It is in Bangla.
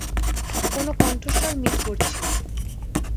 কোনো কন্ঠস্বর মিস করছি।